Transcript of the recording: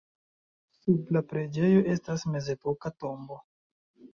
Sub la preĝejo estas mezepoka tombo.